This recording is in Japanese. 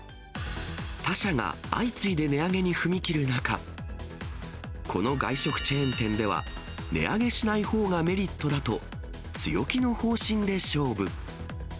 他社が相次いで値上げに踏み切る中、この外食チェーン店では、値上げしないほうがメリットだと、強気の方針で勝負。